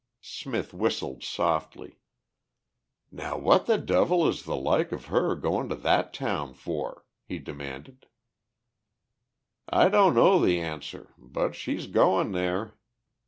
Smith whistled softly. "Now what the devil is the like of her goin' to that town for?" he demanded. "I don't know the answer. But she's going there."